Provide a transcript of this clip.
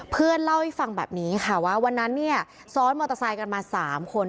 เพื่อนเล่าให้ฟังแบบนี้ค่ะว่าวันนั้นเนี่ยซ้อนมอเตอร์ไซค์กันมา๓คน